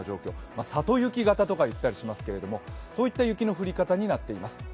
里雪型とか言ったりしますけども、そういった雪の降り方になっています。